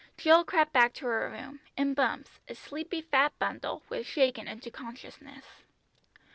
Jill crept back to her room, and Bumps, a sleepy fat bundle, was shaken into consciousness.